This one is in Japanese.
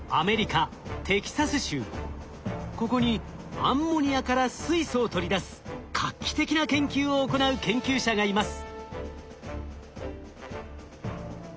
ここにアンモニアから水素を取り出す画期的な研究を行う研究者がいます。